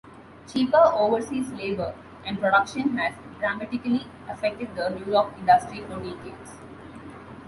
Cheaper overseas labor and production has dramatically affected the New York industry for decades.